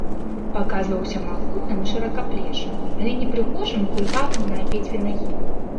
Паказваўся магутным і шыракаплечым, але непрыгожым і кульгавым на абедзве нагі.